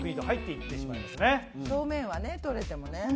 表面は取れてもね。